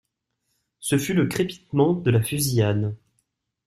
Ce fut le crépitement de la fusillade.